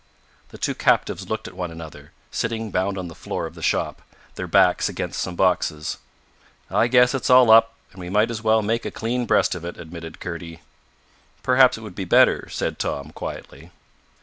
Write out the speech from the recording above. The two captives looked at one another, sitting bound on the floor of the shop, their backs against some boxes. "I guess it's all up, and we might as well make a clean breast of it," admitted Kurdy. "Perhaps it would be better," said Tom quietly.